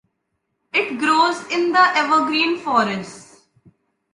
It grows in the evergreen forests.